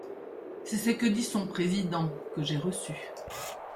C’est ce que dit son président, que j’ai reçu.